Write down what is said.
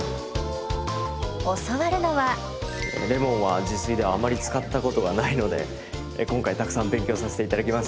教わるのはレモンは自炊ではあまり使ったことがないので今回たくさん勉強させて頂きます！